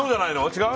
違う？